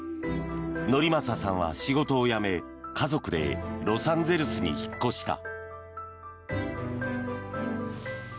典雅さんは仕事を辞め、家族でロサンゼルスに引っ越した。